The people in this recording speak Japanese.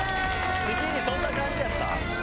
仕切りそんな感じやった？